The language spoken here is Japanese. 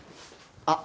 あっ。